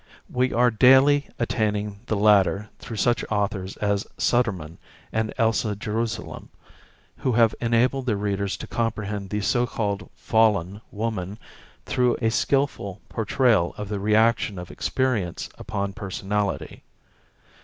We are daily attaining the latter through such authors as Sudermann and Elsa Gerusalem, who have enabled their readers to comprehend the so called "fallen" woman through a skilful portrayal of the reaction of experience upon personality.